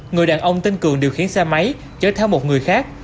người đàn ông tên cường điều khiển xe máy chở theo một người khác